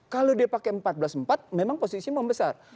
kalau dia pakai empat belas empat memang posisi membesar